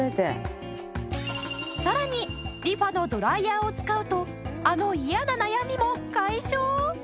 さらにリファのドライヤーを使うとあの嫌な悩みも解消！？